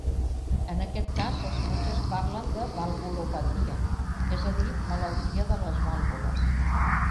En aquest cas els metges parlen de valvulopatia, és a dir, malaltia de les vàlvules.